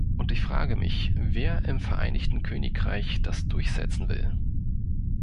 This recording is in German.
Und ich frage mich, wer im Vereinigten Königreich das durchsetzen will?